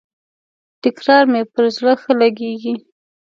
تکرار مي پر زړه ښه لګیږي.